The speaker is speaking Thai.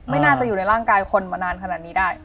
ไม่น่าจะอยู่ในร่างกายคนมานานขนาดนี้ได้